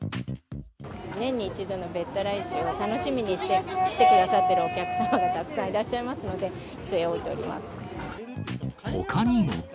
年に一度のべったら市を楽しみにして、来てくださっているお客様もたくさんいらっしゃいますので、ほかにも。